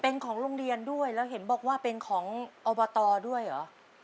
เป็นของโรงเรียนด้วยแล้วเห็นบอกว่าเป็นของอบตด้วยเหรอ